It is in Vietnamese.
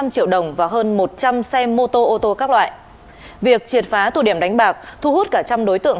một trăm linh triệu đồng và hơn một trăm linh xe mô tô ô tô các loại việc triệt phá tụ điểm đánh bạc thu hút cả trăm đối tượng